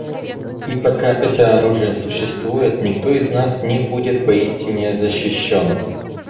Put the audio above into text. И пока это оружие существует, никто из нас не будет поистине защищен.